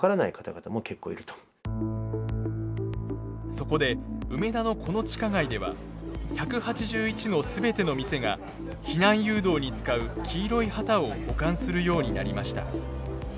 そこで梅田のこの地下街では１８１の全ての店が避難誘導に使う黄色い旗を保管するようになりました。